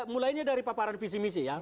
mulainya dari paparan visi misi ya